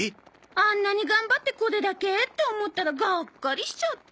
あんなに頑張ってこれだけって思ったらがっかりしちゃって。